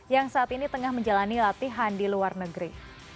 yang saat ini tengah menjalani latihan di luar negeri